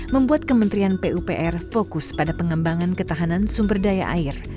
membuat kementerian pupr fokus pada pengembangan ketahanan sumber daya air